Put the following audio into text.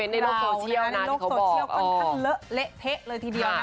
โลกโซเชียลค่อนข้างเละเทะเลยทีเดียวนะ